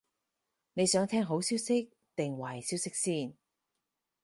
你想聽好消息定壞消息先？